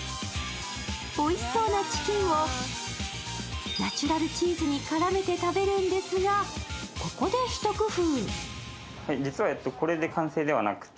おいしそうなチキンをナチュラルチーズに絡めて食べるんですが、ここで一工夫。